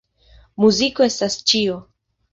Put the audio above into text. Muziko estas ĉio.